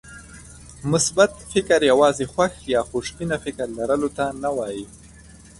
مثبت فکر يوازې خوښ يا خوشبينه فکر لرلو ته نه وایي.